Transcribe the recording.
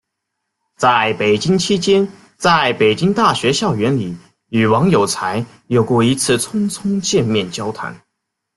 在北京期间在北京大学校园里与王有才有过一次匆匆见面交谈。